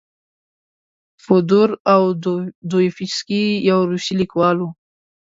فودور اودویفسکي یو روسي لیکوال و.